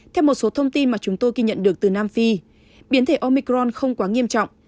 theo một số thông tin mà chúng tôi ghi nhận được từ nam phi biến thể omicron không quá nghiêm trọng